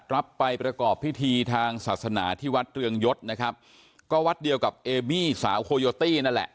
รับไปประกอบพิธีทางศาสนาที่วัดเรืองยศนะครับก็วัดเดียวกับเอมี่สาวโคโยตี้นั่นแหละ